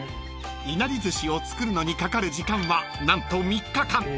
［いなり寿司を作るのにかかる時間は何と］